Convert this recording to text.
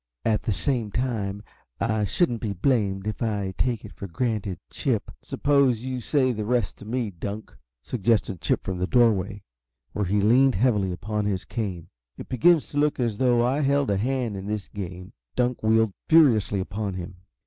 At the same time I shouldn't be blamed if I take it for granted Chip " "Suppose you say the rest to me, Dunk," suggested Chip from the doorway, where he leaned heavily upon his cane. "It begins to look as though I held a hand in this game." Dunk wheeled furiously upon him.